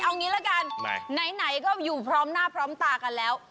เอางี้ละกันไหนก็อยู่พร้อมหน้าพร้อมตากันแล้ว